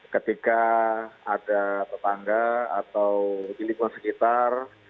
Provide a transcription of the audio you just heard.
ketika ada tetangga atau di lingkungan sekitar